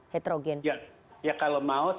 heterogen ya kalau mau